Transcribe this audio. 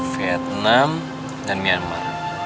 vietnam dan myanmar